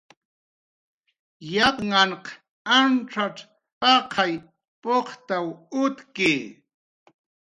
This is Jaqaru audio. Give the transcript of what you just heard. Yapnhanq ancxacx paqay puqtaw utki